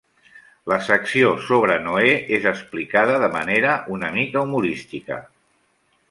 La secció sobre Noè és explicada de manera una mica humorística.